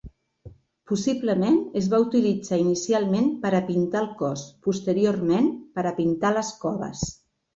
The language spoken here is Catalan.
Possiblement es va utilitzar inicialment per a pintar el cos, posteriorment, per a pintar les coves.